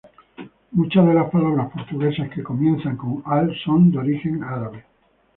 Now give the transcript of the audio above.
Muchas de las palabras portuguesas que comienzan con "al-" son de origen árabe.